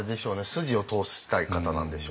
筋を通したい方なんでしょうね。